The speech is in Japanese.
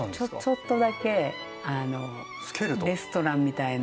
ちょっとだけレストランみたいな。